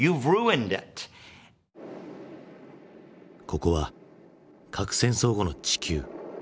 ここは核戦争後の地球。